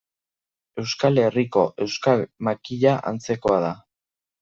Euskal Herriko Euskal makila antzekoa da.